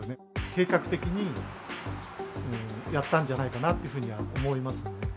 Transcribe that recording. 計画的にやったんじゃないかなというふうには思いますね。